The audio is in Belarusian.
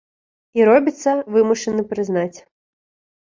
І робіцца, вымушаны прызнаць.